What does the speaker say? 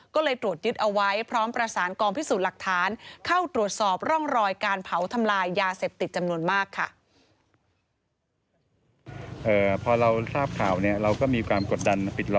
ก็เลยตรวจยึดเอาไว้พร้อมประสานกองพิสูจน์หลักฐานเข้าตรวจสอบร่องรอยการเผาทำลายยาเสพติดจำนวนมากค่ะ